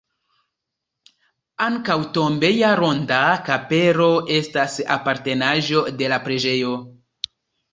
Ankaŭ tombeja ronda kapelo estas apartenaĵo de la preĝejo.